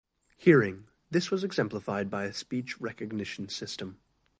Hearing: this was exemplified by a speech recognition system.